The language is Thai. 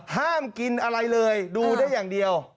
ห้ามกินอะไรเลยดูได้อย่างเดียว